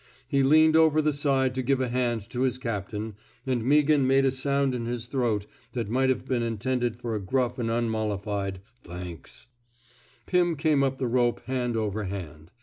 He leaned over the side to give a hand to his captain, and Meaghan made a sound in his throat that might have been intended for a gruff and unmollified *' Thanks/* Pim came up the rope hand over hand.